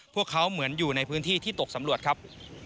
พวกเขาเหมือนอยู่ในพื้นที่ที่ตกสำรวจครับ